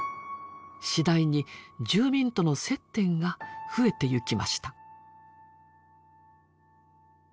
次第に住民との接点が増えていきました。